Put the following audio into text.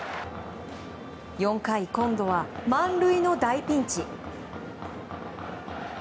４回、今度は満塁の大ピンチ。